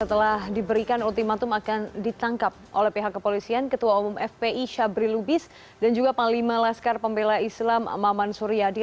setelah diberikan ultimatum akan ditangkap oleh pihak kepolisian ketua umum fpi syabri lubis dan juga panglima laskar pembela islam maman suryadi